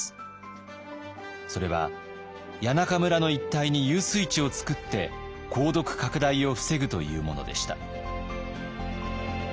それは谷中村の一帯に遊水池を作って鉱毒拡大を防ぐというものでした。